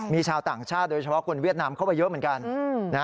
มีชาวต่างชาติโดยเฉพาะคนเวียดนามเข้าไปเยอะเหมือนกัน